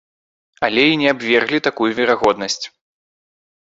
Але і не абверглі такую верагоднасць.